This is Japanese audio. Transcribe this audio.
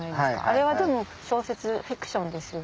あれは小説フィクションですよね？